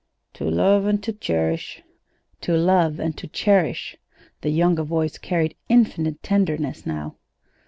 "To love and to cherish." "'To love and to cherish.'" The younger voice carried infinite tenderness now.